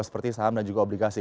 seperti saham dan juga obligasi